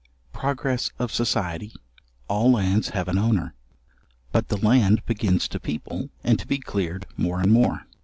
Progress of society; all lands have an owner. But the land begins to people, and to be cleared more and more.